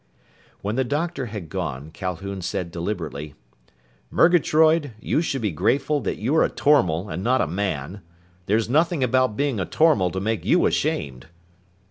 When the doctor had gone, Calhoun said deliberately, "Murgatroyd, you should be grateful that you're a tormal and not a man. There's nothing about being a tormal to make you ashamed!"